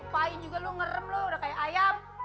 pahin juga lu ngerem lu udah kayak ayam